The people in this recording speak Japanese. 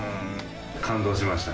感動しました。